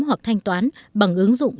hoặc thanh toán bằng ứng dụng